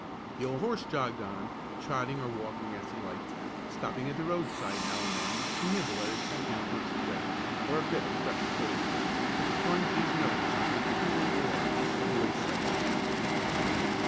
The old horse jogged on, trotting or walking as he liked, stopping at the roadside now and then to nibble at a tempting bunch of grass or a bit of fresh foliage, or to plunge his nose into the cooling waters of a wayside stream.